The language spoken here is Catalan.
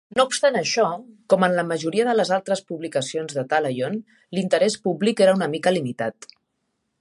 No obstant això, com en la majoria de les altres publicacions de Thalion, l'interès públic era una mica limitat.